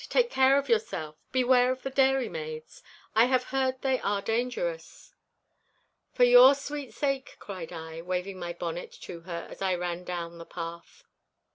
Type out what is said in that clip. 'Take care of yourself—beware of the dairymaids. I have heard they are dangerous.' 'For your sweet sake,' cried I, waving my bonnet to her as I ran down the path.